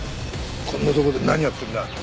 こんなとこで何やってんだ？